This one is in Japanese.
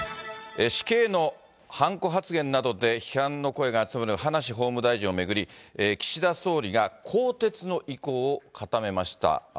死刑のはんこ発言などで批判の声が集まる葉梨法務大臣を巡り、岸田総理が更迭の意向を固めました。